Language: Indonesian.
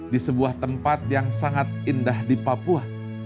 di sebuah tempat yang sangat indah di papua